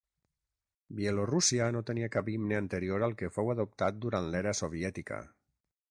Bielorússia no tenia cap himne anterior al que fou adoptat durant l'era soviètica.